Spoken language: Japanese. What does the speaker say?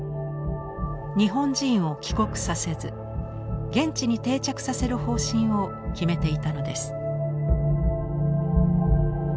日本人を帰国させず現地に定着させる方針を決めていたのです。